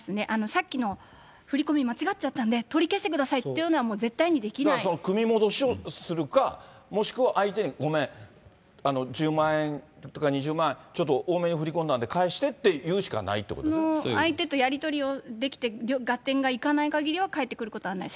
さっきの振り込み間違っちゃったんで、取り消してくださいってい組み戻しをするか、もしくは、相手に、ごめん、１０万円とか２０万円、ちょっと多めに振り込んだんで返してって言うしかないっていうこ相手とやり取りをできて、合点がいかないかぎりは返ってくることはない。